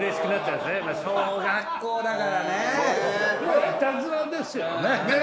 いたずらですよね。